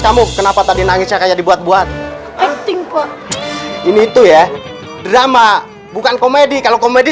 kamu kenapa tadi nangisnya kayak dibuat buat penting pak ini itu ya drama bukan komedi kalau komedi